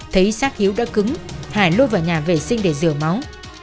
thấy sát hiếu đã cứng hải luôn vào nhà vệ sinh để rửa máu